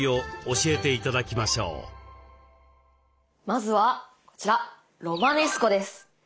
まずはこちらロマネスコです。